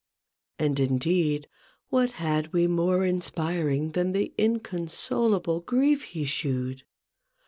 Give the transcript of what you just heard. And, indeed, what had we more inspiring than the inconsolable grief he shewed